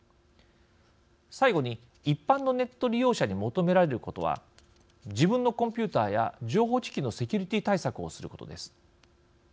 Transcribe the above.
最後に、一般のネット利用者に求められることは自分のコンピューターや情報機器のセキュリティー対策をすることです。